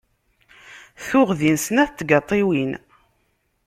Tuɣ din snat tgaṭiwin.